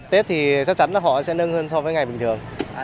tết thì chắc chắn là họ sẽ nâng hơn so với ngày bình thường